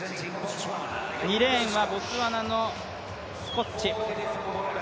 ２レーンはボツワナのスコッチ。